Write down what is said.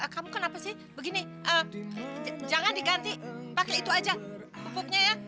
kamu kenapa sih begini jangan diganti pakai itu aja pupuknya ya